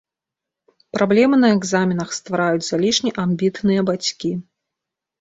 Праблемы на экзаменах ствараюць залішне амбітныя бацькі.